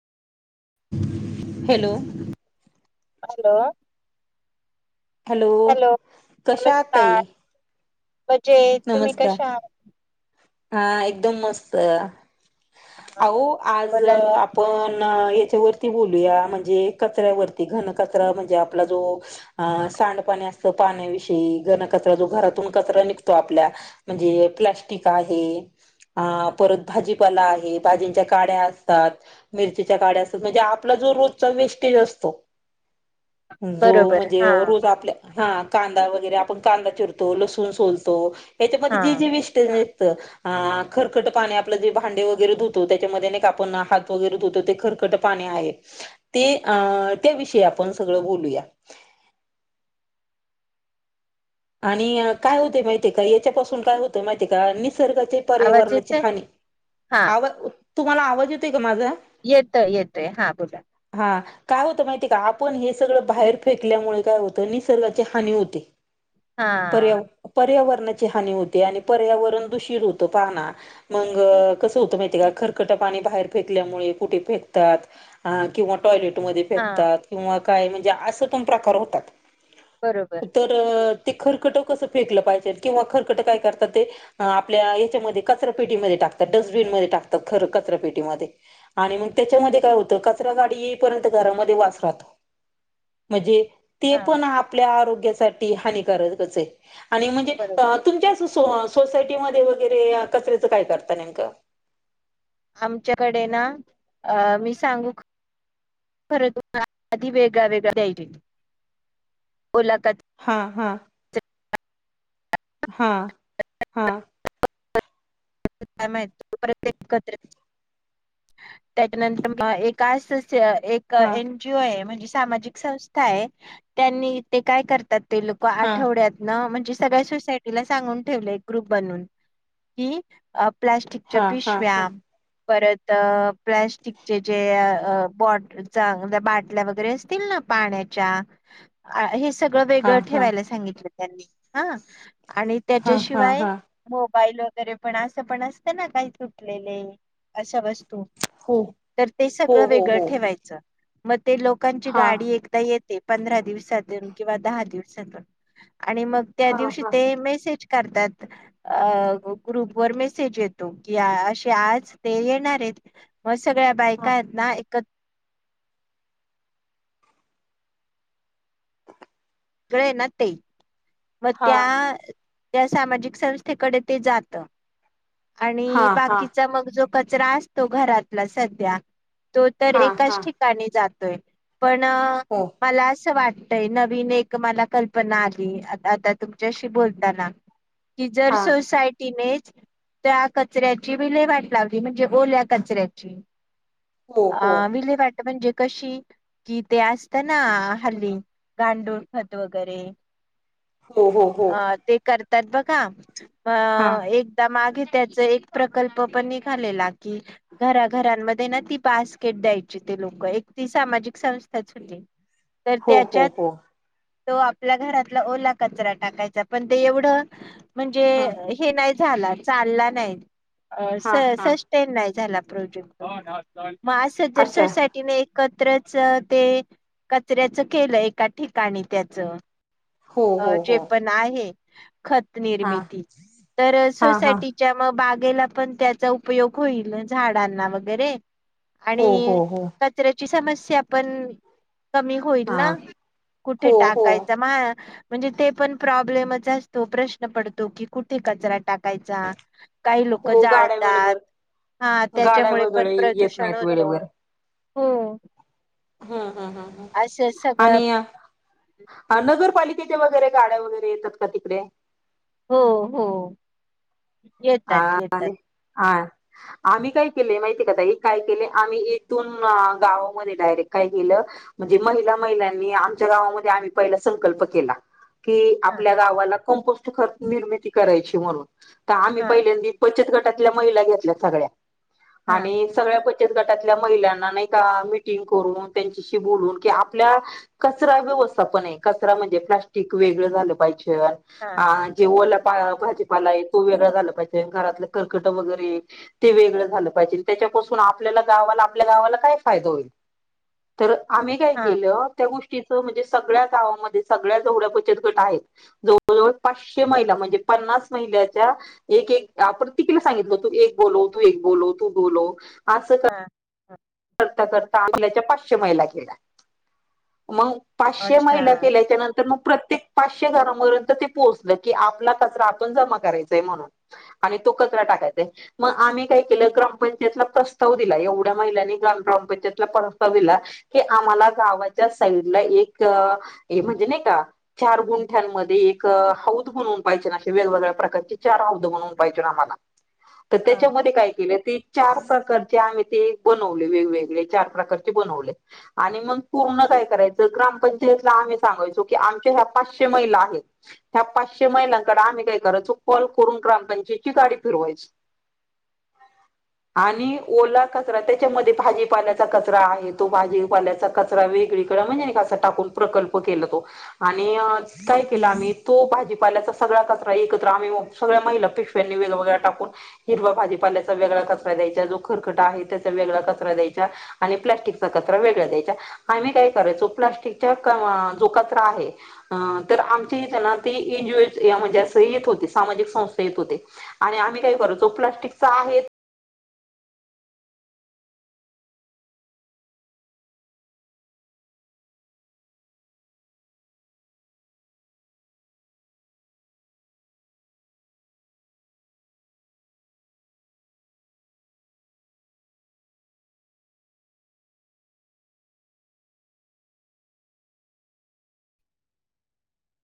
Hello हं. Hello कशा आहात ताई? मजेत तुम्ही नमस्कार कशा आहात? हा एकदम मस्त आहात? अहो आज बोला आपण. याच्यावरती बोलूया. म्हणजे कचऱ्यावरती घन कचरा म्हणजे आपला जो सांडपाणी असत. पाण्याविषयी घनकचरा जो घरातून कचरा निघत तर आपल्या म्हणजे प्लास्टिक आहे. परत भाजीपाला आहे भाज्यांची काड्या असतात. मिरच्या काड्या असतात. म्हणजे आपला जो रोजचा वेस्टेज असतो. जो बरोबर म्हणजे हा रोज आपल्या हा. कांदा वगैरे आपण कांदा चिरतो, लसूण सोलतो. हा याच्यामध्ये जे जे वेस्ट खरकट पाणी आपलं जे भांडे वगैरे धुतो त्याच्यामध्ये नई का आपण हात वगैरे धुतो ते खर कटं पाणी आहे ते आ ते विषय आपण सगळ बोलूया. आणि काय होते माहितीय का याच्यापासून काय होतं माहितीय का नि सर्गाचे आवाज पर्यावरणाची येतय हानी, हा आवा तुम्हाला आवाज येतो आहे का माझा? येतय येतय हा बोला. हा काय होतं माहितीय का आपण हे सगळं बाहेर फेकल्यामुळे काय होतं निसर्गाची हानी होते. हा पर्या पर्यावर णाची हानी होते आणि पर्यावरण दूषित होतं पाहा ना, मंग कस होत माहिते का खरकट पाणी बाहेर फेकल्यामुळे कुठे फेकतात अ किंवा टॉयलेटमध्ये हा फेकतात किंवा काय म्हणजे असं पण प्रकार होतात. बरोबर तरं ते खरकट कसं फेकलं पाहिजे किंवा खरकटं काय करतात ते आपल्या याच्यामध्ये कचरापेटीमध्ये टाक तात डस्टबीनमध्ये टाकतात खरं कचऱ्यापेटीमध्ये आणि मग त्याच्यामध्ये काय होतो कचऱ्यासाठी परत घरामध्ये वास राहतो म जे ते हा पण आपल्या आरोग्यासाठी हानिकारकच आहे आणि म्हणजे बरोबर अ तुमच्या सुस सो सोसायटीमध्ये वगैरे कचऱ्याचं काय करता नेमकं? आमच्याकडे ना मी सांगू [inaudible] आदी वेगळा-वेगळा देयायची ओला क हा हा. हा हा. [unintelligible] च्या एक हा एन जी ओ आहे म्हणजे सामाजिक संस्था आहे त्यांनी ते काय करतात ते लोकं हा आठवड्यात न म्हणजे सगळ्या सोसायटीला सांगून ठेवले एक ग्रुप बनवून कि अ प्लास्टिकच्या हा हा पिशव्या हा परत अ प्लॅस्टिकचे जे अ बॉट चांग बाटल्या वगैरे असतील ना पाण्याच्या अ हे स सगळं हा वेगळं ठेवायला सांगितलं त्यांनी हा आणि हा हा हा त्याच्याशिवाय हा फाईल वगैरे पण असं पण असतं ना काही तुटलेले असं बस तो हो ते हो सगळं हो वेगळं हो ठेवायचं मग ते लोकांची हा गाडी एकदा येते पंधरा दिवसातून किंवा दहा दिवसातून आणि मग त्या हा दिवशी हा ते मेसेज करतात अ ग्रुप वर मेसेज येतो की अ अशे आज ते येणार आहेत म सगळ्या हा बायका आहेत ना एकत गळे ना ते मग हा त्या त्या सामाजिक संस्थेकडे ते जातं हा आणि हा बाकीचा मग जो कचरा असतो घरातला सध्या तो तर हा एकाच हा ठिकाणी जातोय. पण हो मला असं वाटतय नवीन एक मला कल्पना आली आता तुमच्याशी बोलताना कि जर हा सोसायटीने त्या कचऱ्याची विले वाट लावली म्हणजे ओल्या कचऱ्याची हो हो अ विलेवाट म्हणजे कशी कि ते असतं ना हल्ली गांडूळ, खत वगैरे हो हो हो. त्यात बघा हा अ एकदा मागे त्याचा एक प्रकल्प पण निघालेला की घराघरांमध्ये ना ती बास्केट द्यायची. ते लोकं एक ती सामाजिक संस्थाच होती. तर हो हो त्याच्यात हो. तो आपल्या घरातला ओला कचरा टाकायचा पण ते एवढं म्हणजे हा हे नाही झाला चालला नाही अ हा सस हा सस्टेन नाही झाला प्रोजेक्ट. म असं जर अच्छा सोसायटीने एक कतरायचे ते कचऱ्याचा केलं एका ठिकाणी त्याचा हो अ हो जे हो पण आहे. खत हा निर्मिती तर हा हा सोसायटीच्या म बा पण त्याचा उपयोग होईल झाडांना वगरे हो हो हो आणिच्या ची समस्या पण कमी होईल हा ना हो कुठे हो टाकायच म म्हणजे ते पण प्रॉब्लेमच असतो प्रश्न पडतो कि कुठे कचरा टाकायचा काही लोक हो गाड्या जाळतात. वेळेवर हा गाड्या त्याच्यामुळे पण वगैरे येत प्रदूषण नाहीत होत वेळेवर हो. हम्म हम्म हम्मम असं सगळं आणि हा नगरपालिकेच्या वगैरे, गाड्या वगैरे, येतात का तिकडे? हो हो. येतात येतात [unintelligible] आम्ही काय केले माहितीय का ताई, काय केले आम्ही येथून गावामध्ये डायरेक्ट काय केलं. म्हणजे महिला महिलांनी आमच्या गावामध्ये आम्ही पहिला संकल्प केला. की हा आपल्या गावाला कंपोस्ट खत निर्मिती करायची म्हणून आम्ही हा पहिल्यांदी बचत गटातल्या महिला घेतल्या सगळ्या हा आणि सगळ्या गटातल्या महिलांना नाही का, मिंटिंग करून त्यांच्याशी बोलून क आपल्या कच कसा पण कचरा म्हणजे प्लँस्टिक वेगळं झालं पाहिजे. हा हा जे ओला भाजीपाला आहे, तो वेगळा झाला. घरातलं खरकट वगैरे ते वेगळ झालं पायजेल, त्याच्यापासून आपल्याल्या गावाला आपल्या गावाला काय फायदा होईल, तर आम्ही काय हां, केल. म्हणजे सगळ्या गावामध्ये सगळ्या जेवढ्या बचत गट आहेत जवळ-जवळ पाचशे महिला म्हणजे पन्नास महिन्याच्या एक एक आपण तिकीला सांगितलं तू एक बोलो तू एक बोलो तू बोलो असं. हां, हां. करता करता आपल्याच्या पाचशे महिला गेल्या. मग पाचशे महिला अच्छा. केल्याच्या नंतर मग प्रत्येक पाचशे घरापर्यंत ते पोहोचल की आपला कचरा आप जमा करायचाय म्हणून, आणि तो कचरा टाकायचाय मग आम्ही काय केलं ग्रामपंचायतला प्रस्ताव दिला एवढ्या महिलानी ग्रामपंचायतला प्रस्ताव दिला, की आम्हाला गावाच्या साईड ला एक म्हणजे नाही का चार गुंठ्यांमध्ये एक हौद बणवून पाहिजे नाे वेगवेगळ्या प्रकारचे चार हौद हां, [unintelligible] बनवले वेगवेगळे चार प्रकारचे बनवले आणि मग पूर्ण काय करायच ग्रामपंचायतला आम्ही सांगायचो कि आमच्या या पाचशे महीला आहेत, या पाचशे महींलाकडे ग्रामपंचायची गाडी फिरवायची आणि ओला कचरा त्या भाजीपाल्याचा कचरा आहे, तो भाजीपाल्याचा कचरा वेगळीकडे म्हणजे अस टाकून प्रकल्प केल तो आणि काय केलं आम्ही तो भाजीपाल्याचा सगळा कचरा एकत्र आम्ही मला पिशव्यां वेगग टाकून हिरवा भाजीपाल्याचा वेगळा कचरा्यायचा जो खरट आहे त्या [unintelligible] [unintelligible] संस्था येत होते आणि आम्ही काय करायचो, प्लास्टिकचा आहे.